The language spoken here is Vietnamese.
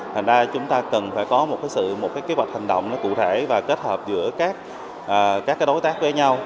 thành ra chúng ta cần phải có một kế hoạch hành động cụ thể và kết hợp giữa các đối tác với nhau